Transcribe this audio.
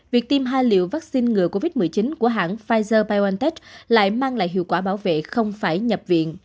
việc tiêm hai liệu vaccine ngừa covid một mươi chín của hãng pfizer biontech lại mang lại hiệu quả bảo vệ không phải nhập viện